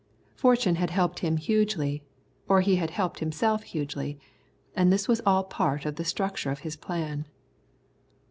Fortune had helped him hugely, or he had helped himself hugely, and this was all a part of the structure of his plan.